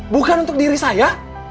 bukan untuk diri saya